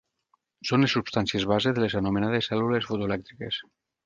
Són les substàncies base de les anomenades cèl·lules fotoelèctriques.